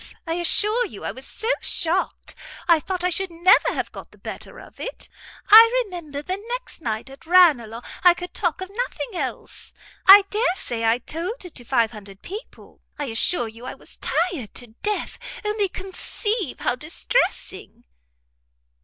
I assure you I was so shocked, I thought I should never have got the better of it. I remember the next night at Ranelagh I could talk of nothing else. I dare say I told it to 500 people. I assure you I was tired to death; only conceive how distressing!"